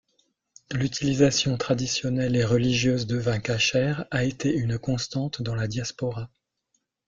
L'utilisation traditionnelle et religieuse de vin casher a été une constante dans la diaspora.